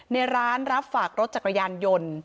ในร้านรับฝากรถจักรยานยนต์